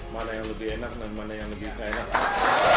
mana yang lebih enak dan mana yang lebih enak